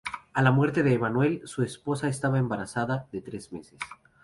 A la muerte de Emmanuel, su esposa estaba embarazada de tres meses.